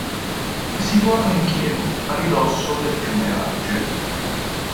È situato in Chievo, a ridosso del fiume Adige.